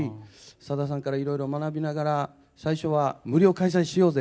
さださんからいろいろ学びながら最初は無料開催しようぜ！